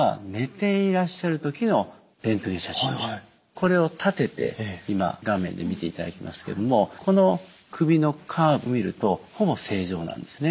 これを立てて今画面で見ていただきますけれどもこの首のカーブ見るとほぼ正常なんですね。